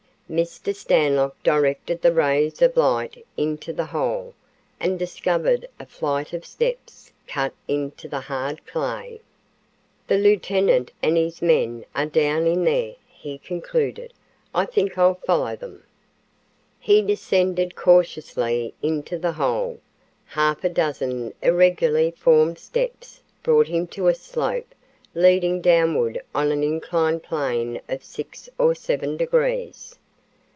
Mr. Stanlock directed the rays of light into the hole and discovered a flight of steps cut in the hard clay. "The lieutenant and his men are down in there," he concluded. "I think I'll follow them." He descended cautiously into the hole. Half a dozen irregularly formed steps brought him to a slope leading downward on an inclined plane of six or seven degrees.